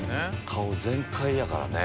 顔全開やからね。